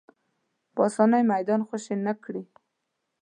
په اسانۍ میدان خوشې نه کړي